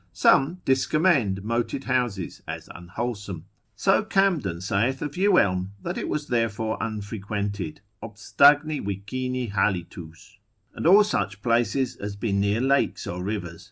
Some discommend moated houses, as unwholesome; so Camden saith of Ew elme, that it was therefore unfrequented, ob stagni vicini halitus, and all such places as be near lakes or rivers.